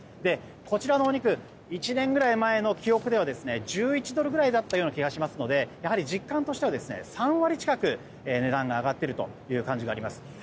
こちらのお肉１年ぐらい前の記憶では１１ドルぐらいだった気がしますのでやはり実感としては３割近く値段が上がっている感じがあります。